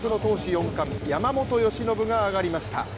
４冠山本由伸が上がりました。